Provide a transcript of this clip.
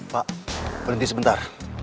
pak berhenti sebentar